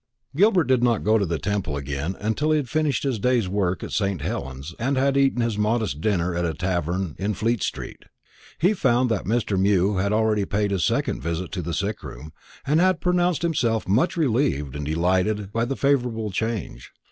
Gilbert did not go to the Temple again till he had finished his day's work at St. Helen's, and had eaten his modest dinner at a tavern in Fleet street. He found that Mr. Mew had already paid his second visit to the sick room, and had pronounced himself much relieved and delighted by the favourable change.